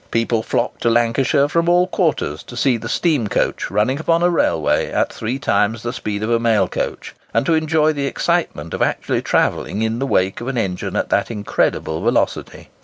People flocked to Lancashire from all quarters to see the steam coach running upon a railway at three times the speed of a mailcoach, and to enjoy the excitement of actually travelling in the wake of an engine at that incredible velocity.